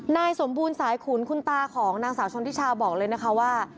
นายสมบูรณ์สายขุนคุณตาของนางสาวชนทิชาบอกเลยนะคะว่า